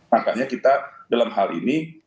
makanya kita dalam hal ini